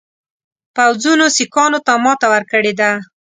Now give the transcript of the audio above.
پوځونو سیکهانو ته ماته ورکړې ده.